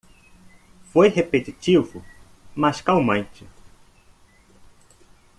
Foi repetitivo? mas calmante.